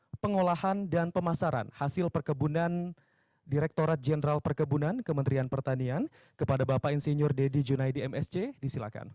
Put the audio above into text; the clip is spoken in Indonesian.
untuk pengolahan dan pemasaran hasil perkebunan direkturat jenderal perkebunan kementerian pertanian kepada bapak insinyur deddy junaidi msc disilakan